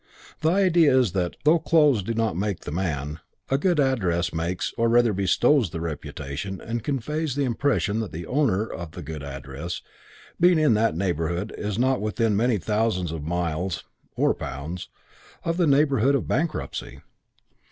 The idea is that, though clothes do not make the man, a good address makes, or rather bestows the reputation, and conveys the impression that the owner of the good address, being in that neighbourhood, is not within many thousands of miles (or pounds) of the neighbourhood of Bankruptcy.